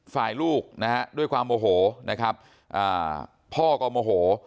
ลูกนะฮะด้วยความโมโหนะครับพ่อก็โมโห